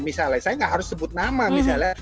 misalnya saya nggak harus sebut nama misalnya